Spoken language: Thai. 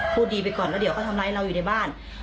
พูดดีไปก่อนแล้วเดี๋ยวเขาทำร้ายเราอยู่ในบ้าน